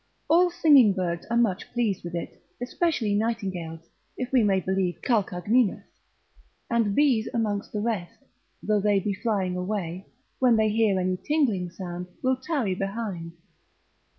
All singing birds are much pleased with it, especially nightingales, if we may believe Calcagninus; and bees amongst the rest, though they be flying away, when they hear any tingling sound, will tarry behind.